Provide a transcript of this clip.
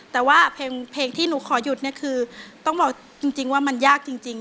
แต่ว่าเพลงที่หนูขอหยุดเนี่ยคือต้องบอกจริงว่ามันยากจริง